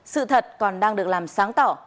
sự thật còn đang được làm sáng tỏ